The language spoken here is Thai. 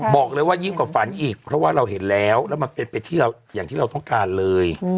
บอกเลยว่ายิ่งกว่าฝันอีกเพราะว่าเราเห็นแล้วแล้วมันเป็นไปอย่างที่เราต้องการเลย